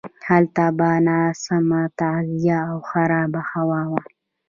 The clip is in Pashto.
هلته به ناسمه تغذیه او خرابه هوا وه.